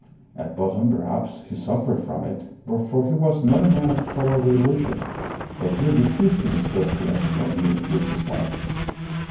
At bottom, perhaps, he suffered from it, for he was not a man of cowardly illusions, but he refused to discuss the ethical view with his wife.